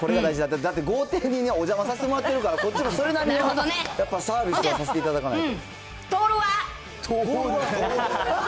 だって、豪邸にお邪魔させてもらってるから、こっちもそれなりにサービスをさせていただかないと。